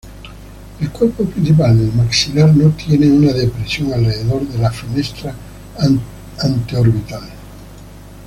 El cuerpo principal del maxilar no tiene una depresión alrededor de la fenestra anteorbital.